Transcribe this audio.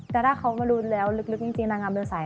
แต่ถ้าเขามารู้แล้วลึกจริงนางงามเดินสาย